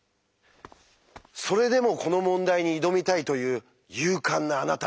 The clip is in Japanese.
それでもこの問題に挑みたいという勇敢なあなた。